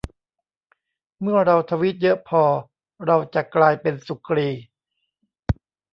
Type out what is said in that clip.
เมื่อเราทวีตเยอะพอ เราจะกลายเป็นสุกรี